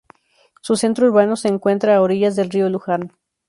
Su centro urbano se encuentra a orillas del río Luján.